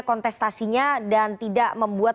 kontestasinya dan tidak membuat